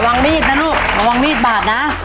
มีดนะลูกระวังมีดบาดนะ